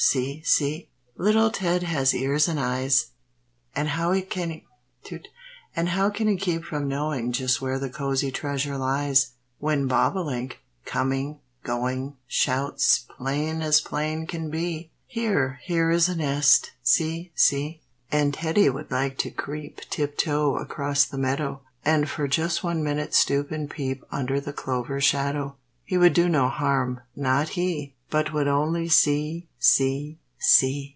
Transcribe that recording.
see! see!" Little Ted has ears and eyes, And how can he keep from knowing Just where the cosy treasure lies, When bobolink, coming, going, Shouts, plain as plain can be, "Here, here is a nest! See! see!" And Teddy would like to creep Tip toe across the meadow, And for just one minute stoop and peep Under the clover shadow. He would do no harm not he! But would only see, see, see!